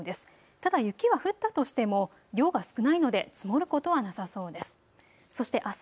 ただ雪は降ったとしても量が少ないので積もることはなさそうです。